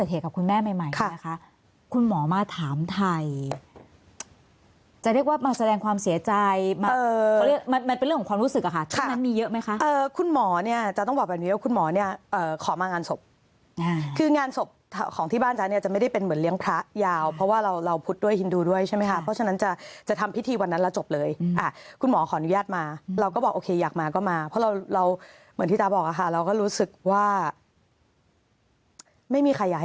จะเรียกว่ามาแสดงความเสียใจมันเป็นเรื่องของความรู้สึกค่ะที่นั้นมีเยอะไหมคะคุณหมอเนี่ยจะต้องบอกแบบนี้คุณหมอเนี่ยขอมางานศพคืองานศพของที่บ้านจะเนี่ยจะไม่ได้เป็นเหมือนเลี้ยงพระยาวเพราะว่าเราพุทธด้วยฮินดูด้วยใช่ไหมคะเพราะฉะนั้นจะจะทำพิธีวันนั้นแล้วจบเลยคุณหมอขออนุญาตมาเราก็บอกโอเคอยากมาก็มาเพรา